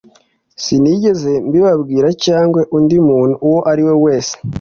Sinigeze mbibabwira cyangwa undi muntu uwo ari we wese